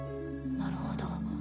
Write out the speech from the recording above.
なるほど。